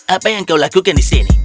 apa yang kau lakukan di sini